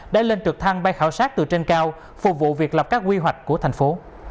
đã lên trực thăng bay khảo sát từ trên cao phục vụ việc lập các quy hoạch của thành phố